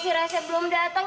si reshe belum datang